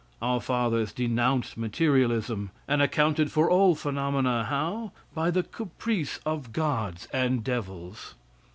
Our fathers denounced materialism and accounted for all phenomena how? By the caprice of gods and devils.